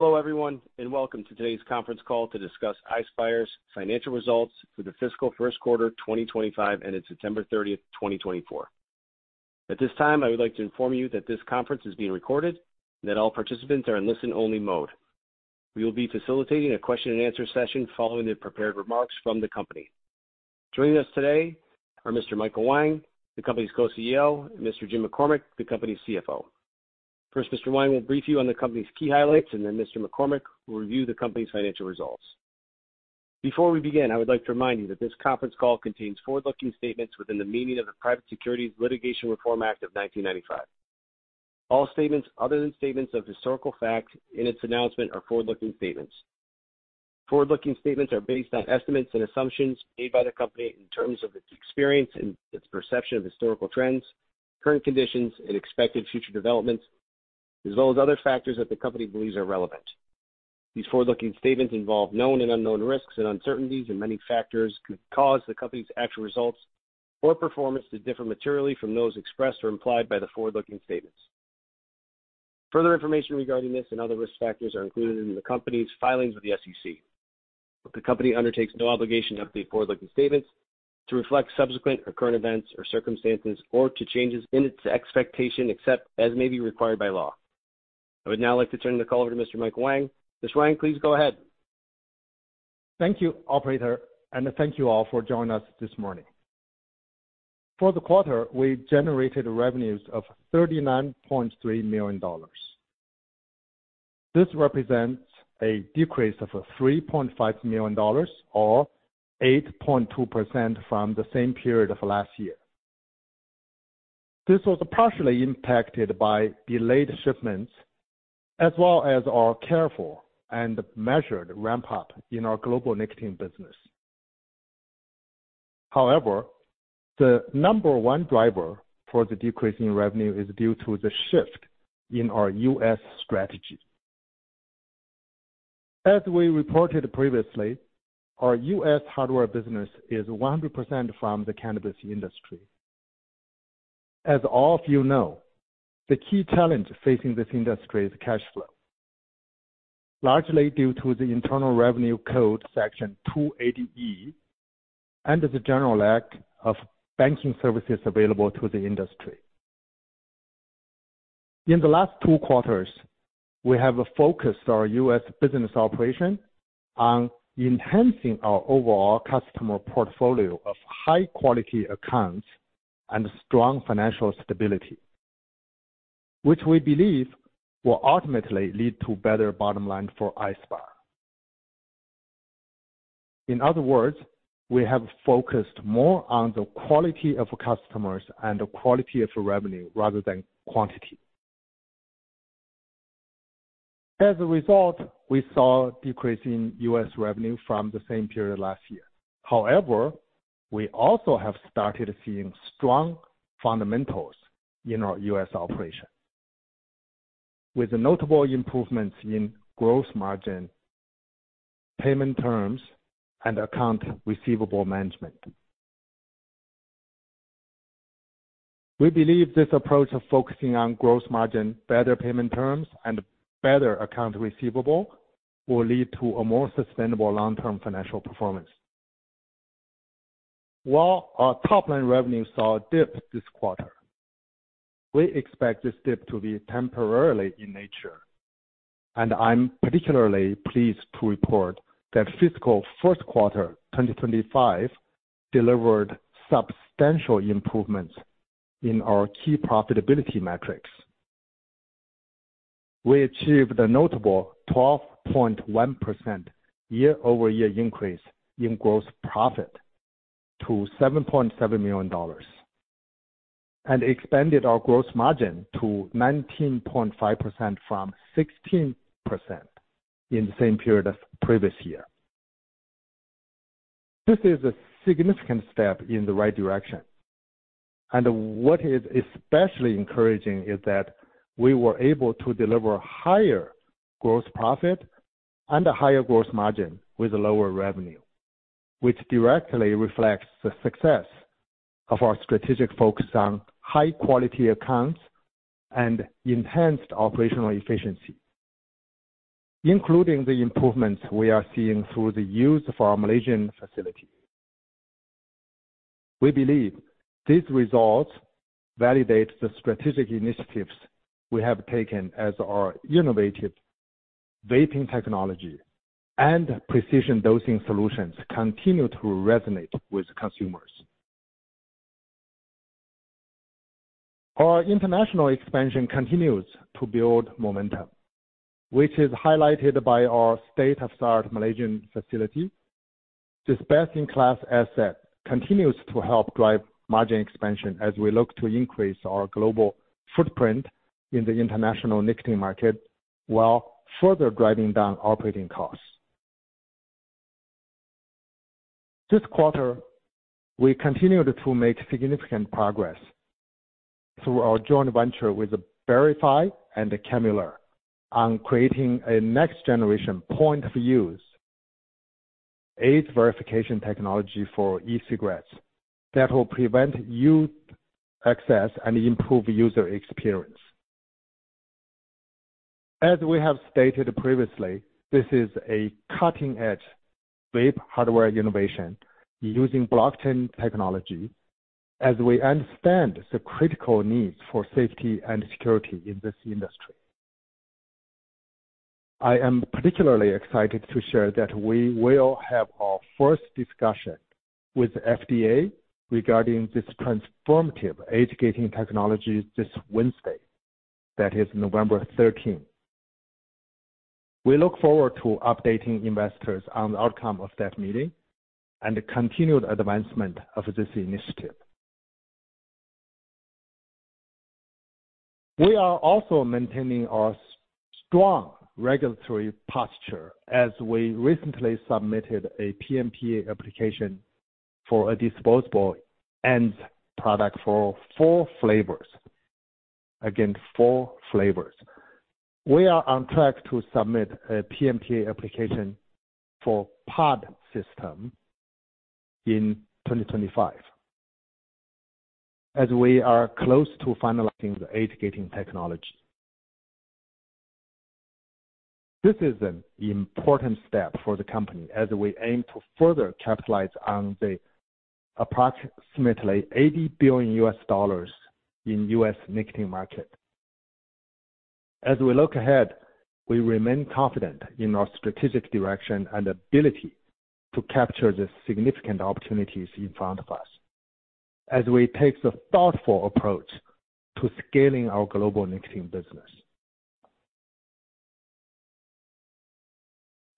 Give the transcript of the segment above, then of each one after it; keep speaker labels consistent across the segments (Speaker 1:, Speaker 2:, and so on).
Speaker 1: Hello, everyone, and welcome to today's conference call to discuss Ispire's financial results for the fiscal Q1 2025 ended September 30th, 2024. At this time, I would like to inform you that this conference is being recorded and that all participants are in listen-only mode. We will be facilitating a question-and-answer session following the prepared remarks from the company. Joining us today are Mr. Michael Wang, the company's co-CEO, and Mr. Jim McCormick, the company's CFO. First, Mr. Wang will brief you on the company's key highlights, and then Mr. McCormick will review the company's financial results. Before we begin, I would like to remind you that this conference call contains forward-looking statements within the meaning of the Private Securities Litigation Reform Act of 1995. All statements other than statements of historical fact in its announcement are forward-looking statements. Forward-looking statements are based on estimates and assumptions made by the company in terms of its experience and its perception of historical trends, current conditions, and expected future developments, as well as other factors that the company believes are relevant. These forward-looking statements involve known and unknown risks and uncertainties, and many factors could cause the company's actual results or performance to differ materially from those expressed or implied by the forward-looking statements. Further information regarding this and other risk factors are included in the company's filings with the SEC. The company undertakes no obligation to update forward-looking statements to reflect subsequent or current events or circumstances or to changes in its expectation except as may be required by law. I would now like to turn the call over to Mr. Michael Wang. Mr. Wang, please go ahead.
Speaker 2: Thank you, Operator, and thank you all for joining us this morning. For the quarter, we generated revenues of $39.3 million. This represents a decrease of $3.5 million or 8.2% from the same period of last year. This was partially impacted by delayed shipments as well as our careful and measured ramp-up in our global nicotine business. However, the number one driver for the decrease in revenue is due to the shift in our U.S. strategy. As we reported previously, our U.S. hardware business is 100% from the cannabis industry. As all of you know, the key challenge facing this industry is cash flow, largely due to the Internal Revenue Code Section 280E and the general lack of banking services available to the industry. In the last two quarters, we have focused our U.S. Business operation on enhancing our overall customer portfolio of high-quality accounts and strong financial stability, which we believe will ultimately lead to better bottom lines for Ispire. In other words, we have focused more on the quality of customers and the quality of revenue rather than quantity. As a result, we saw a decrease in U.S. revenue from the same period last year. However, we also have started seeing strong fundamentals in our U.S. operations, with notable improvements in gross margin, payment terms, and account receivable management. We believe this approach of focusing on gross margin, better payment terms, and better account receivable will lead to a more sustainable long-term financial performance. While our top-line revenue saw a dip this quarter, we expect this dip to be temporarily in nature, and I'm particularly pleased to report that fiscal Q1 2025 delivered substantial improvements in our key profitability metrics. We achieved a notable 12.1% year-over-year increase in gross profit to $7.7 million and expanded our gross margin to 19.5% from 16% in the same period as the previous year. This is a significant step in the right direction, and what is especially encouraging is that we were able to deliver higher gross profit and a higher gross margin with lower revenue, which directly reflects the success of our strategic focus on high-quality accounts and enhanced operational efficiency, including the improvements we are seeing through the use of our Malaysian facility. We believe these results validate the strategic initiatives we have taken as our innovative vaping technology and precision dosing solutions continue to resonate with consumers. Our international expansion continues to build momentum, which is highlighted by our state-of-the-art Malaysian facility. This best-in-class asset continues to help drive margin expansion as we look to increase our global footprint in the international nicotine market while further driving down operating costs. This quarter, we continued to make significant progress through our joint venture with Berify and Chemular on creating a next-generation point-of-use age verification technology for e-cigarettes that will prevent youth access and improve user experience. As we have stated previously, this is a cutting-edge vape hardware innovation using blockchain technology as we understand the critical needs for safety and security in this industry. I am particularly excited to share that we will have our first discussion with the FDA regarding this transformative age technology this Wednesday, that is November 13th. We look forward to updating investors on the outcome of that meeting and the continued advancement of this initiative. We are also maintaining our strong regulatory posture as we recently submitted a PMTA application for a disposable end product for four flavors, again, four flavors. We are on track to submit a PMTA application for pod system in 2025 as we are close to finalizing the age verification technology. This is an important step for the company as we aim to further capitalize on the approximately $80 billion in U.S. nicotine market. As we look ahead, we remain confident in our strategic direction and ability to capture the significant opportunities in front of us as we take a thoughtful approach to scaling our global nicotine business.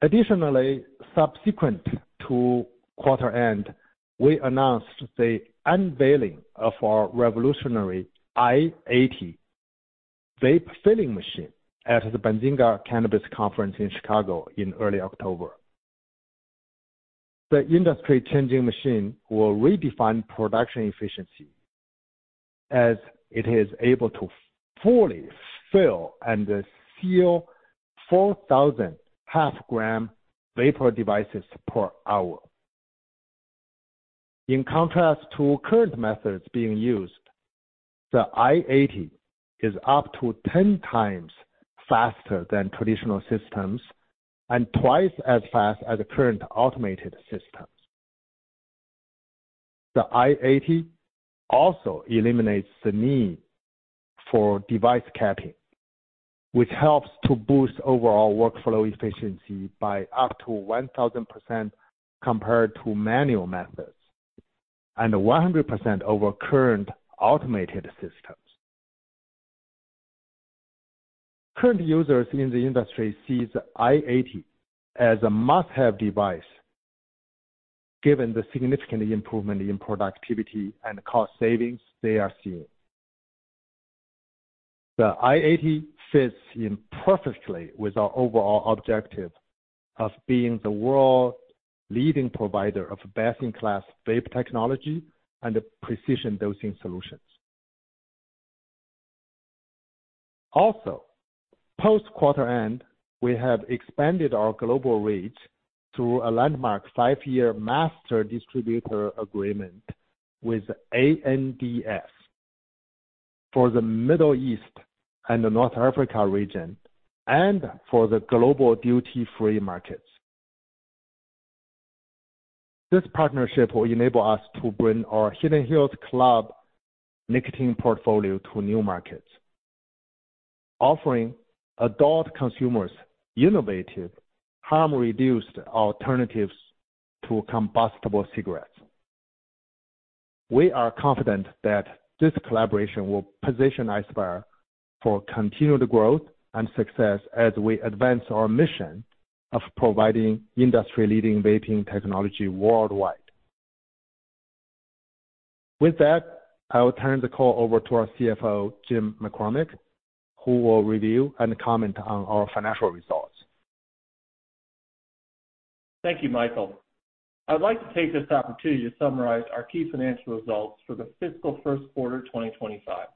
Speaker 2: Additionally, subsequent to quarter end, we announced the unveiling of our revolutionary I-80 vape filling machine at the Benzinga Cannabis Conference in Chicago in early October. The industry-changing machine will redefine production efficiency as it is able to fully fill and seal 4,000 half-gram vapor devices per hour. In contrast to current methods being used, the I-80 is up to 10 times faster than traditional systems and twice as fast as current automated systems. The I-80 also eliminates the need for device capping, which helps to boost overall workflow efficiency by up to 1,000% compared to manual methods and 100% over current automated systems. Current users in the industry see the I-80 as a must-have device given the significant improvement in productivity and cost savings they are seeing. The I-80 fits in perfectly with our overall objective of being the world's leading provider of best-in-class vape technology and precision dosing solutions. Also, post-quarter end, we have expanded our global reach through a landmark five-year master distributor agreement with ANDS for the Middle East and the North Africa region and for the global duty-free markets. This partnership will enable us to bring our Hidden Hills Club nicotine portfolio to new markets, offering adult consumers innovative, harm-reduced alternatives to combustible cigarettes. We are confident that this collaboration will position Ispire for continued growth and success as we advance our mission of providing industry-leading vaping technology worldwide. With that, I will turn the call over to our CFO, Jim McCormick, who will review and comment on our financial results.
Speaker 3: Thank you, Michael. I'd like to take this opportunity to summarize our key financial results for the fiscal Q1 2025.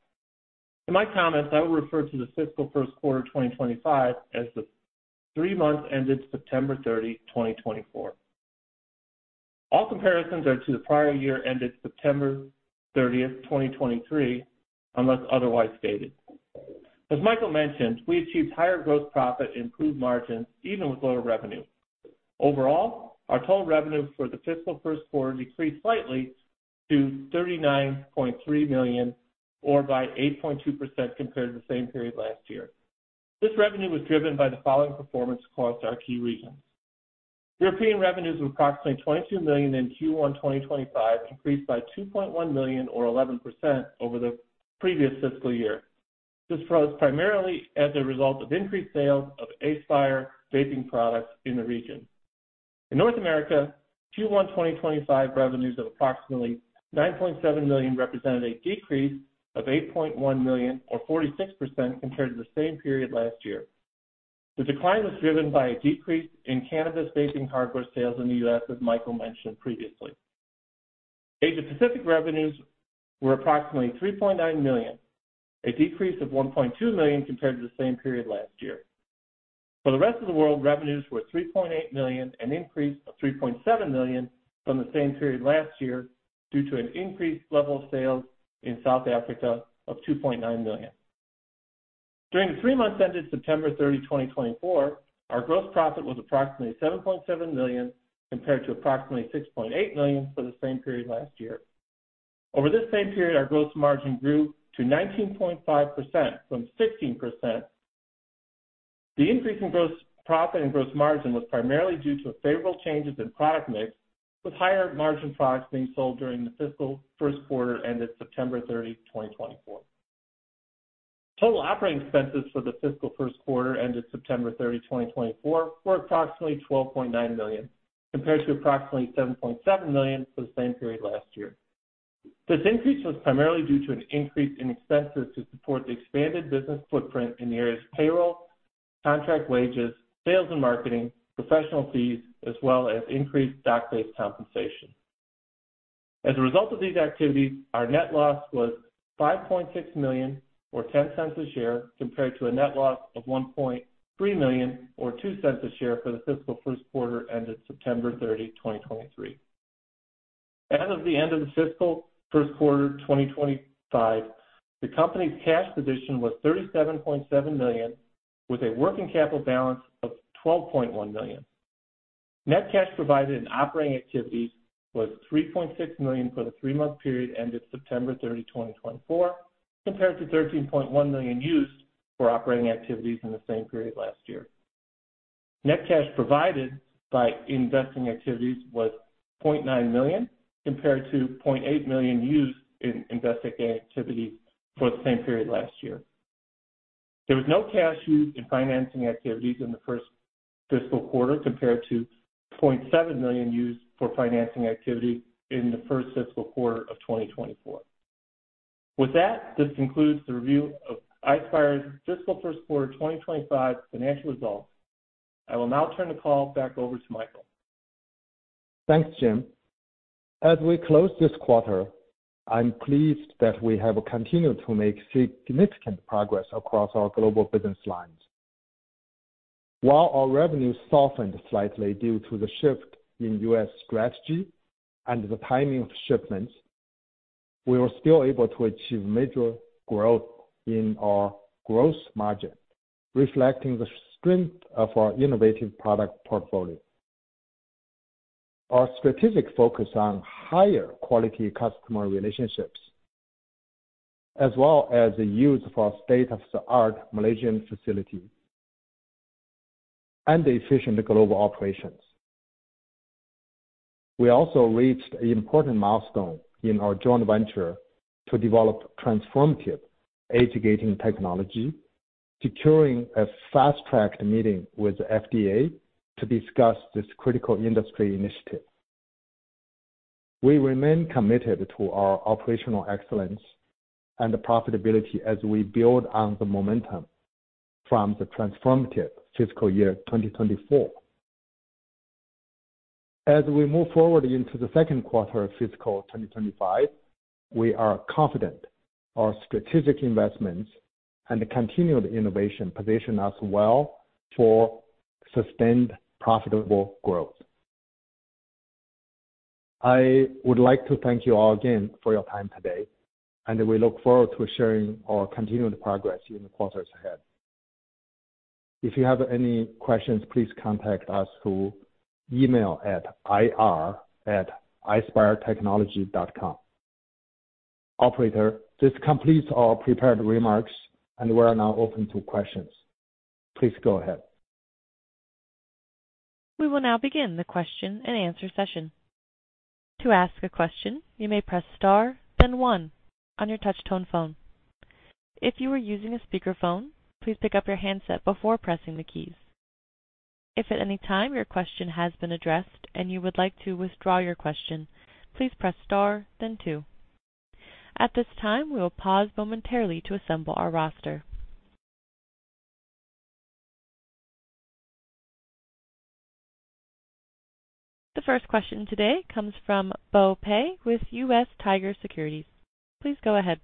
Speaker 3: In my comments, I will refer to the fiscal Q1 2025 as the three months ended September 30, 2024. All comparisons are to the prior year ended September 30th, 2023, unless otherwise stated. As Michael mentioned, we achieved higher gross profit and improved margins even with lower revenue. Overall, our total revenue for the fiscal Q1 decreased slightly to $39.3 million or by 8.2% compared to the same period last year. This revenue was driven by the following performance across our key regions. European revenues of approximately $22 million in Q1 2025 increased by $2.1 million or 11% over the previous fiscal year. This was primarily as a result of increased sales of Aspire vaping products in the region. In North America, Q1 2025 revenues of approximately $9.7 million represented a decrease of $8.1 million or 46% compared to the same period last year. The decline was driven by a decrease in cannabis vaping hardware sales in the U.S., as Michael mentioned previously. Asia-Pacific revenues were approximately $3.9 million, a decrease of $1.2 million compared to the same period last year. For the rest of the world, revenues were $3.8 million and increased to $3.7 million from the same period last year due to an increased level of sales in South Africa of $2.9 million. During the three months ended September 30, 2024, our gross profit was approximately $7.7 million compared to approximately $6.8 million for the same period last year. Over this same period, our gross margin grew to 19.5% from 16%. The increase in gross profit and gross margin was primarily due to favorable changes in product mix, with higher margin products being sold during the fiscal Q1 ended September 30, 2024. Total operating expenses for the fiscal Q1 ended September 30, 2024, were approximately $12.9 million compared to approximately $7.7 million for the same period last year. This increase was primarily due to an increase in expenses to support the expanded business footprint in the areas of payroll, contract wages, sales and marketing, professional fees, as well as increased stock-based compensation. As a result of these activities, our net loss was $5.6 million or $0.10 a share compared to a net loss of $1.3 million or $0.02 a share for the fiscal Q1 ended September 30, 2023. As of the end of the fiscal Q1 2025, the company's cash position was $37.7 million, with a working capital balance of $12.1 million. Net cash provided in operating activities was $3.6 million for the three-month period ended September 30, 2024, compared to $13.1 million used for operating activities in the same period last year. Net cash provided by investing activities was $0.9 million compared to $0.8 million used in investing activities for the same period last year. There was no cash used in financing activities in the first fiscal quarter compared to $0.7 million used for financing activity in the first fiscal quarter of 2024. With that, this concludes the review of Ispire's fiscal Q1 2025 financial results. I will now turn the call back over to Michael.
Speaker 2: Thanks, Jim. As we close this quarter, I'm pleased that we have continued to make significant progress across our global business lines. While our revenue softened slightly due to the shift in U.S. strategy and the timing of shipments, we were still able to achieve major growth in our gross margin, reflecting the strength of our innovative product portfolio. Our strategic focus on higher quality customer relationships, as well as the use of our state-of-the-art Malaysian facilities, and efficient global operations. We also reached an important milestone in our joint venture to develop transformative age verification technology, securing a fast-tracked meeting with the FDA to discuss this critical industry initiative. We remain committed to our operational excellence and profitability as we build on the momentum from the transformative fiscal year 2024. As we move forward into the Q2 of fiscal 2025, we are confident our strategic investments and continued innovation position us well for sustained profitable growth. I would like to thank you all again for your time today, and we look forward to sharing our continued progress in the quarters ahead. If you have any questions, please contact us through email at ir@ispiretechnology.com. Operator, this completes our prepared remarks, and we are now open to questions. Please go ahead.
Speaker 1: We will now begin the question and answer session. To ask a question, you may press star, then one on your touch-tone phone. If you are using a speakerphone, please pick up your handset before pressing the keys. If at any time your question has been addressed and you would like to withdraw your question, please press star, then two. At this time, we will pause momentarily to assemble our roster. The first question today comes from Bo Pei with US Tiger Securities. Please go ahead.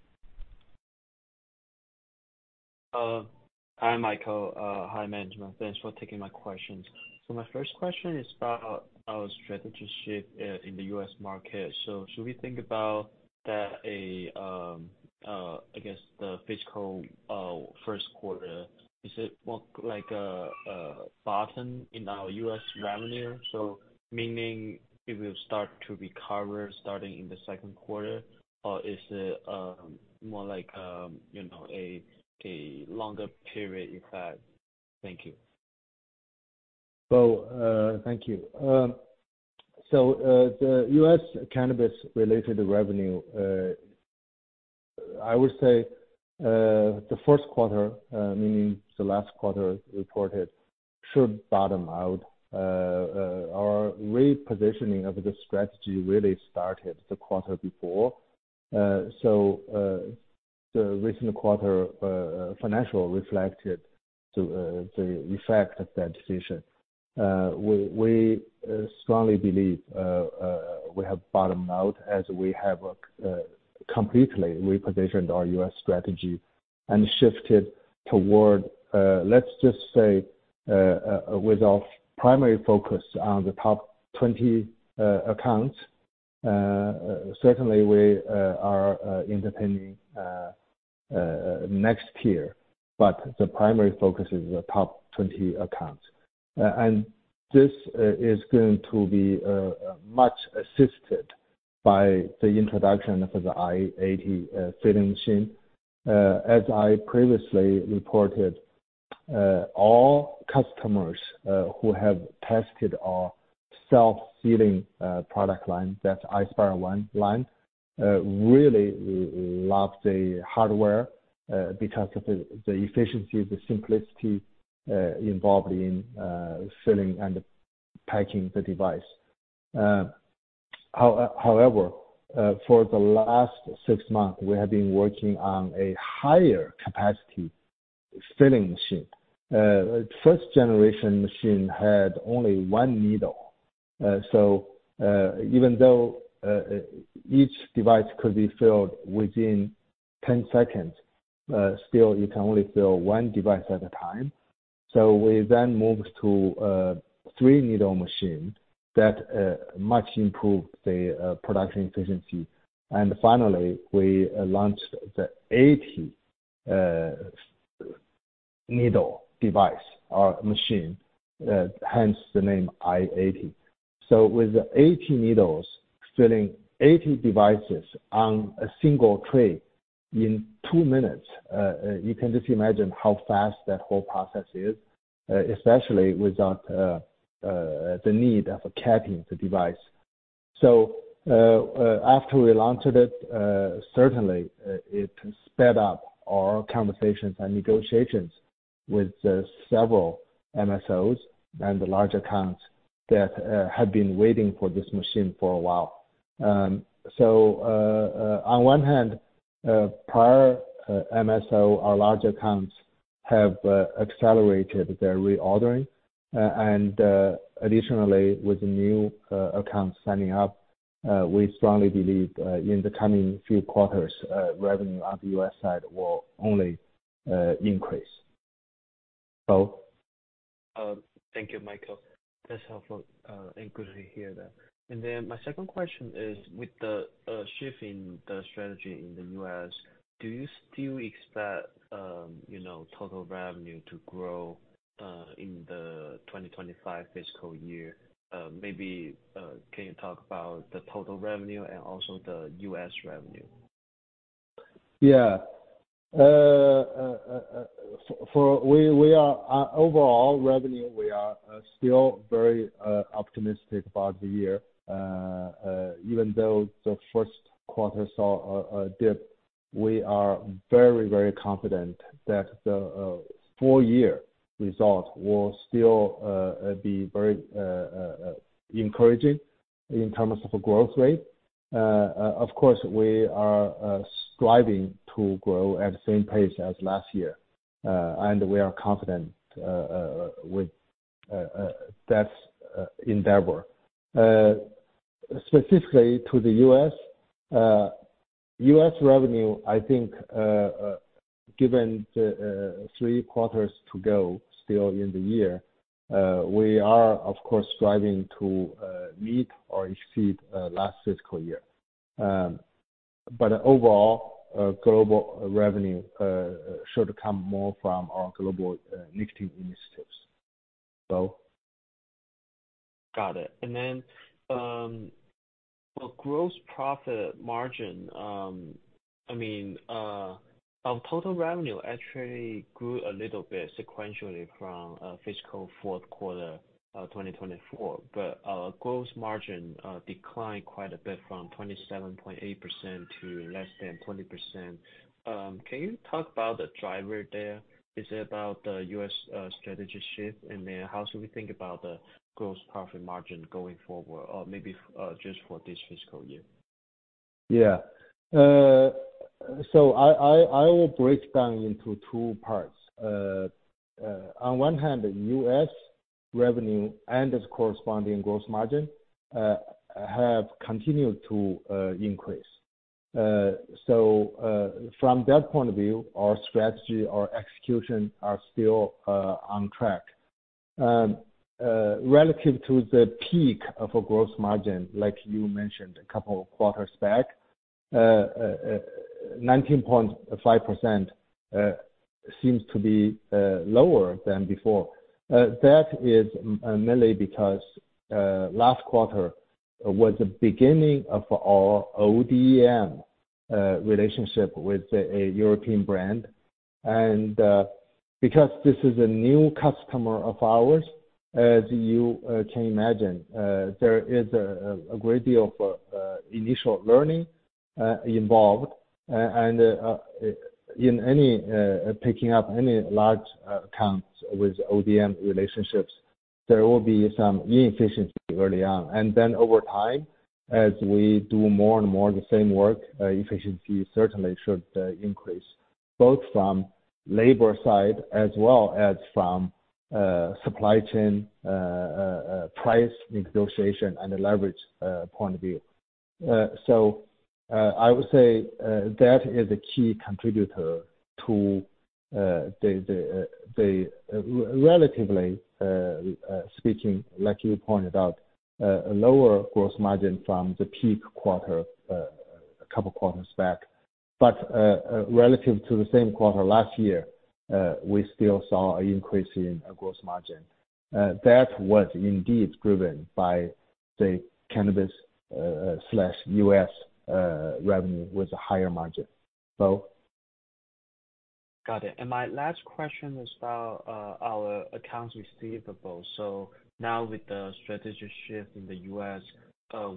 Speaker 4: Hi, Michael. Hi, management. Thanks for taking my questions. So my first question is about our strategic shift in the U.S. market. So should we think about that, I guess, the fiscal Q1, is it more like a bottom in our U.S. revenue? So meaning it will start to recover starting in the Q2, or is it more like a longer period effect? Thank you.
Speaker 2: Thank you. The U.S. cannabis-related revenue, I would say the Q1, meaning the last quarter reported, should bottom out. Our repositioning of the strategy really started the quarter before. The recent quarter financial reflected the effect of that decision. We strongly believe we have bottomed out as we have completely repositioned our U.S. strategy and shifted toward, let's just say, with our primary focus on the top 20 accounts. Certainly, we are entertaining next year, but the primary focus is the top 20 accounts. This is going to be much assisted by the introduction of the I-80 filling machine. As I previously reported, all customers who have tested our self-sealing product line, that's Ispire One line, really love the hardware because of the efficiency, the simplicity involved in filling and packing the device. However, for the last six months, we have been working on a higher capacity filling machine. First-generation machine had only one needle. So even though each device could be filled within 10 seconds, still, you can only fill one device at a time. So we then moved to a three-needle machine that much improved the production efficiency. And finally, we launched the 80-needle device or machine, hence the name I-80. So with 80 needles, filling 80 devices on a single tray in two minutes, you can just imagine how fast that whole process is, especially without the need of capping the device. So after we launched it, certainly, it sped up our conversations and negotiations with several MSOs and large accounts that have been waiting for this machine for a while. So on one hand, prior MSO or large accounts have accelerated their reordering. Additionally, with the new accounts signing up, we strongly believe in the coming few quarters, revenue on the U.S. side will only increase.
Speaker 4: Thank you, Michael. That's helpful and good to hear that. And then my second question is, with the shift in the strategy in the U.S., do you still expect total revenue to grow in the 2025 fiscal year? Maybe can you talk about the total revenue and also the U.S. revenue?
Speaker 2: Yeah. For overall revenue, we are still very optimistic about the year. Even though the Q1 saw a dip, we are very, very confident that the full-year result will still be very encouraging in terms of growth rate. Of course, we are striving to grow at the same pace as last year, and we are confident with that endeavor. Specifically to the U.S., U.S. revenue, I think, given the three quarters to go still in the year, we are, of course, striving to meet or exceed last fiscal year. But overall, global revenue should come more from our global nicotine initiatives. Bo?
Speaker 4: Got it. And then the gross profit margin, I mean, our total revenue actually grew a little bit sequentially from fiscal Q4 2024, but our gross margin declined quite a bit from 27.8% to less than 20%. Can you talk about the driver there? Is it about the U.S. strategy shift? And then how should we think about the gross profit margin going forward, or maybe just for this fiscal year?
Speaker 2: Yeah. So I will break down into two parts. On one hand, U.S. revenue and its corresponding gross margin have continued to increase. So from that point of view, our strategy, our execution are still on track. Relative to the peak of a gross margin, like you mentioned a couple of quarters back, 19.5% seems to be lower than before. That is mainly because last quarter was the beginning of our ODM relationship with a European brand. And because this is a new customer of ours, as you can imagine, there is a great deal of initial learning involved. And in picking up any large accounts with ODM relationships, there will be some inefficiency early on. And then over time, as we do more and more of the same work, efficiency certainly should increase, both from labor side as well as from supply chain price negotiation and the leverage point of view. So I would say that is a key contributor to the, relatively speaking, like you pointed out, lower gross margin from the peak quarter a couple of quarters back. But relative to the same quarter last year, we still saw an increase in gross margin. That was indeed driven by the cannabis/U.S. revenue with a higher margin. Bo?
Speaker 4: Got it. And my last question is about our accounts receivable. So now with the strategy shift in the U.S.,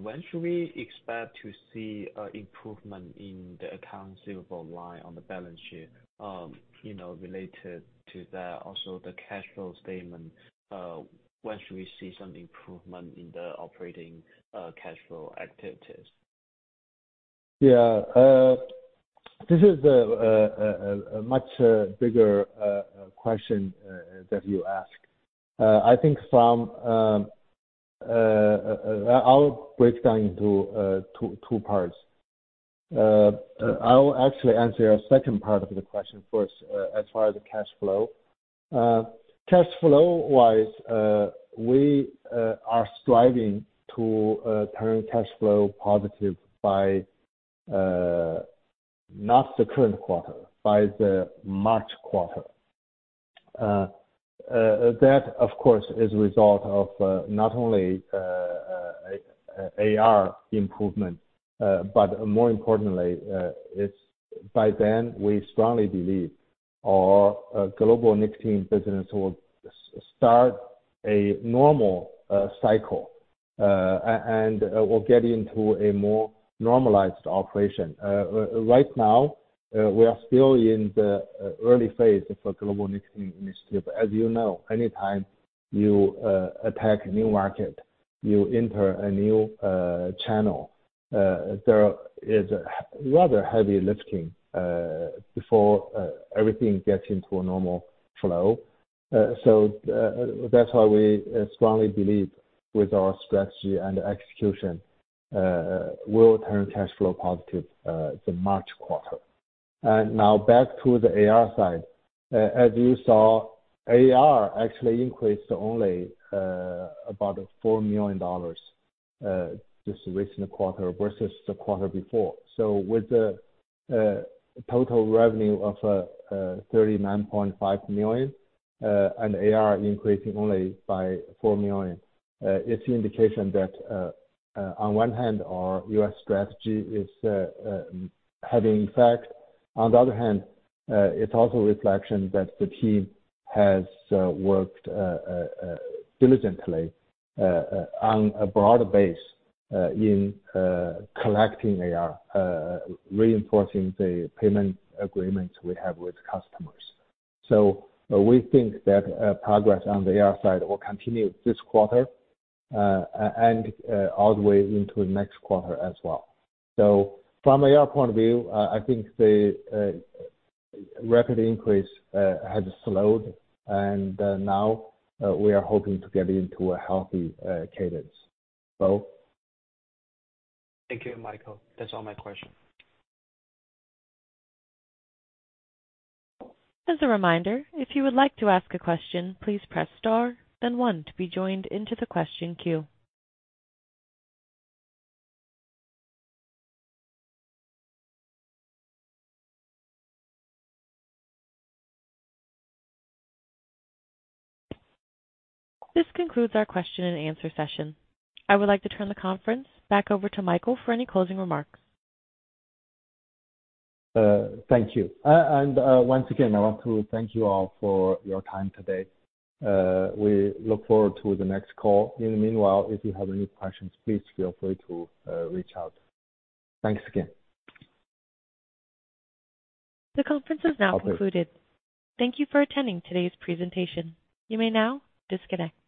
Speaker 4: when should we expect to see an improvement in the accounts receivable line on the balance sheet related to that? Also, the cash flow statement, when should we see some improvement in the operating cash flow activities?
Speaker 2: Yeah. This is a much bigger question that you ask. I think I'll break down into two parts. I'll actually answer your second part of the question first as far as the cash flow. Cash flow-wise, we are striving to turn cash flow positive by not the current quarter, by the March quarter. That, of course, is a result of not only AR improvement, but more importantly, by then, we strongly believe our global nicotine business will start a normal cycle and will get into a more normalized operation. Right now, we are still in the early phase of a global nicotine initiative. As you know, anytime you attack a new market, you enter a new channel. There is rather heavy lifting before everything gets into a normal flow. So that's why we strongly believe with our strategy and execution, we'll turn cash flow positive the March quarter. Now back to the AR side. As you saw, AR actually increased only about $4 million this recent quarter versus the quarter before. With the total revenue of $39.5 million and AR increasing only by $4 million, it's an indication that on one hand, our U.S. strategy is having effect. On the other hand, it's also a reflection that the team has worked diligently on a broader base in collecting AR, reinforcing the payment agreements we have with customers. We think that progress on the AR side will continue this quarter and all the way into the next quarter as well. From our point of view, I think the rapid increase has slowed, and now we are hoping to get into a healthy cadence. Bo?
Speaker 4: Thank you, Michael. That's all my questions.
Speaker 1: As a reminder, if you would like to ask a question, please press star, then one to be joined into the question queue. This concludes our question and answer session. I would like to turn the conference back over to Michael for any closing remarks.
Speaker 2: Thank you. And once again, I want to thank you all for your time today. We look forward to the next call. In the meanwhile, if you have any questions, please feel free to reach out. Thanks again.
Speaker 1: The conference is now concluded. Thank you for attending today's presentation. You may now disconnect.